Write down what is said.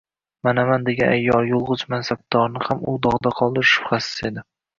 manaman degan ayyor, yulg’ich mansabdorni ham u dog’da qoldirishi shubhasiz edi.